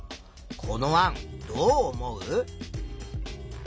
この案どう思う？